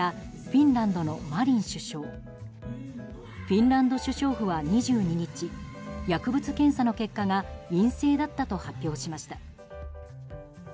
フィンランド首相府は２２日薬物検査の結果が陰性だったと発表しました。